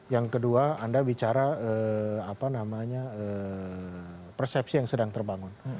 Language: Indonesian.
yang kedua anda bicara persepsi yang sedang terbangun